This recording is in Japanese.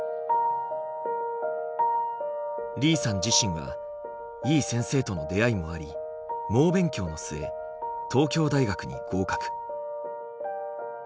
李さん自身はいい先生との出会いもあり猛勉強の末東京大学に合格。